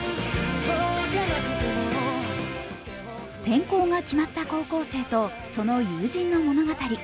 転校が決まった高校生とその友人の物語。